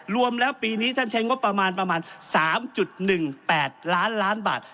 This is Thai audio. รวมแล้วปีนี้ท่านใช้งบประมาณ๓๑๘ล้านบาท